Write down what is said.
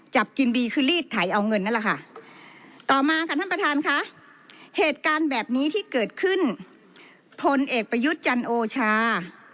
จับกินดีคือรีดไถเอาเงินนั่นล่ะค่ะต่อมา